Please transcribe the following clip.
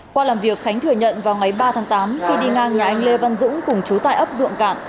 qua làm việc khánh thừa nhận vào ngày ba tháng tám khi đi ngang nhà anh lê văn dũng cùng chú tại ấp ruộng cạn